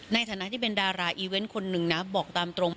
ในฐานะที่เป็นดาราอีเวนต์คนหนึ่งนะบอกตามตรง